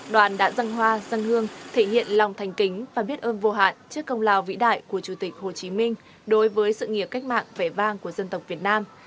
đoàn đạn răng hoa dân hương thể hiện lòng thành kính và biết ơn vô hạn trước công lào vĩ đại của chủ tịch hồ chí minh đối với sự nghiệp cách mạng vẻ vang của dân tộc việt nam